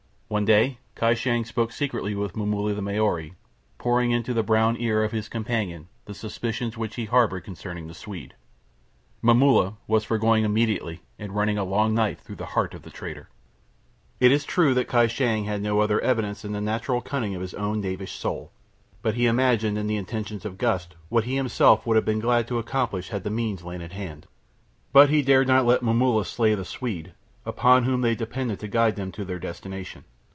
One day Kai Shang spoke secretly with Momulla the Maori, pouring into the brown ear of his companion the suspicions which he harboured concerning the Swede. Momulla was for going immediately and running a long knife through the heart of the traitor. It is true that Kai Shang had no other evidence than the natural cunning of his own knavish soul—but he imagined in the intentions of Gust what he himself would have been glad to accomplish had the means lain at hand. But he dared not let Momulla slay the Swede, upon whom they depended to guide them to their destination.